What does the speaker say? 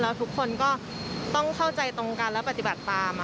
แล้วทุกคนก็ต้องเข้าใจตรงกันและปฏิบัติตาม